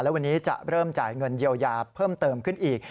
และวันนี้จะเริ่มจ่ายเงินเยียวยาเพิ่มเติมขึ้นอีก